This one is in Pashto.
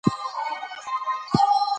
پښتو ژبه د زړه خبره رسوي.